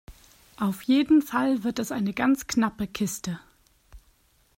Auf jeden Fall wird es eine ganz knappe Kiste.